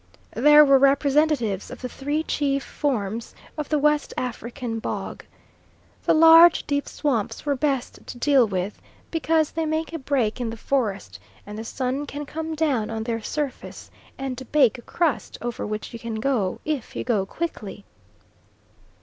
There were representatives of the three chief forms of the West African bog. The large deep swamps were best to deal with, because they make a break in the forest, and the sun can come down on their surface and bake a crust, over which you can go, if you go quickly.